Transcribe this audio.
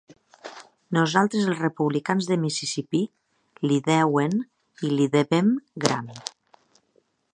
Nosaltres els republicans de Mississipí li deuen, i li devem gran.